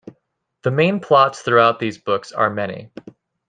The main plots throughout these books are many.